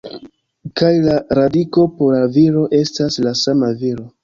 Kaj la radiko, por la viro, estas la sama viro.